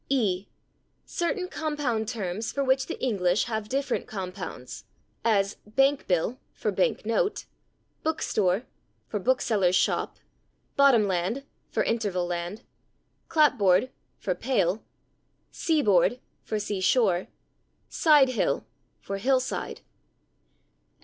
e. "Certain compound terms for which the English have different compounds," as /bank bill/, (/bank note/), /book store/ (/book seller's shop/), /bottom land/ (/interval land/), /clapboard/ (/pale/), /sea board/ (/sea shore/), /side hill/ (/hill side